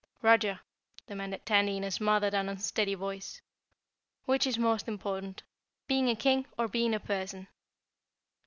"Roger," demanded Tandy in a smothered and unsteady voice, "which is most important, being a King or being a person?"